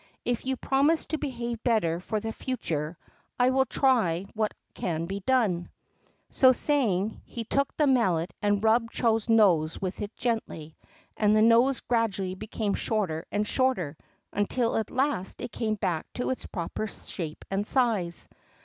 If you promise to behave better for the future, I will try what can be done." So saying, he took the Mallet and rubbed Chô's nose with it gently, and the nose gradually became shorter and shorter until at last it came back to its proper shape and size.